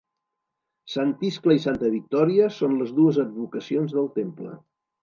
Sant Iscle i Santa Victòria són les dues advocacions del temple.